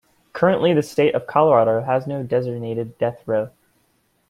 Currently, the state of Colorado has no designated death row.